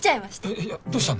えいやどうしたの？